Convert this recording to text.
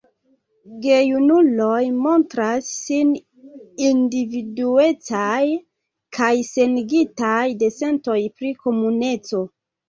Gejunuloj montras sin individuecaj kaj senigitaj de sentoj pri komuneco.